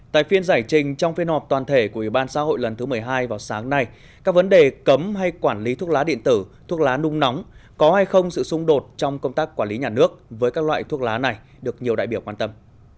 tại phiên giải trình trong phiên họp toàn thể của ủy ban xã hội lần thứ một mươi hai vào sáng nay các vấn đề cấm hay quản lý thuốc lá điện tử thuốc lá nung nóng có hay không sự xung đột trong công tác quản lý nhà nước với các loại thuốc lá này được nhiều đại biểu quan tâm